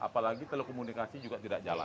apalagi telekomunikasi juga tidak jalan